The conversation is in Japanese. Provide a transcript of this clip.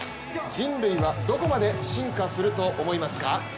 人類はどこまで進化すると思いますか？